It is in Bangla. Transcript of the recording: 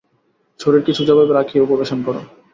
শরীরকে সোজাভাবে রাখিয়া উপবেশন কর।